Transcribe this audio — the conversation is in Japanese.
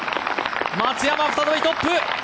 松山、再びトップ！